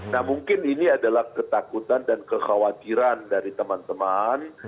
nah mungkin ini adalah ketakutan dan kekhawatiran dari teman teman